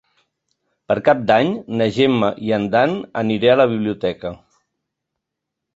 Per Cap d'Any na Gemma i en Dan aniré a la biblioteca.